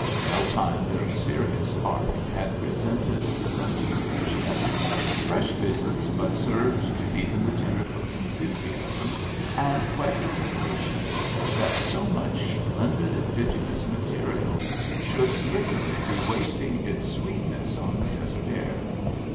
No kind of serious art had presented the frontier as yet. Fresh visits but served to deepen the tenderfoot's enthusiasm and whet his impatience that so much splendid indigenous material should literally be wasting its sweetness on the desert air.